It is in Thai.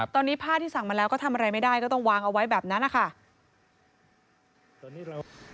ตอนนี้ผ้าที่สั่งมาแล้วก็ทำอะไรไม่ได้ก็ต้องวางเอาไว้แบบนั้นนะคะ